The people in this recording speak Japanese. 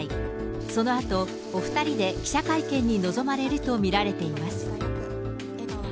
そのあと、お２人で記者会見に臨まれると見られています。